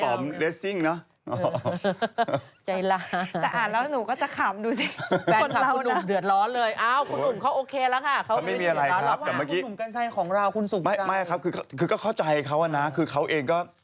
ป๊อมคุณป๊อมเหรอป๊อมก็ไม่เอาครับไม่เอาคุณป๊อม